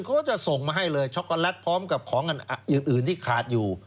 เขาก็จะส่งมาให้เลยช็อกโกแลตพร้อมกับของอื่นที่ขาดอยู่